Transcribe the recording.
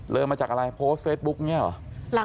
เริ่มมาจากอะไรโพสต์เฟซบุ๊กนี่เหรอ